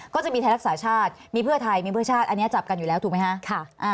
ก็จะมีไทยรักษาชาติมีเพื่อไทยมีเพื่อชาติอันนี้จับกันอยู่แล้วถูกไหมคะ